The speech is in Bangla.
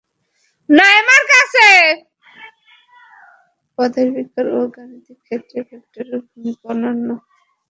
পদার্থবিজ্ঞান ও গাণিতিক ক্ষেত্রে ভেক্টরের ভূমিকা অনন্য।